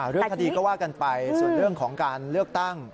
เรื่องคดีก็ว่ากันไปส่วนเรื่องของการเลือกตั้ง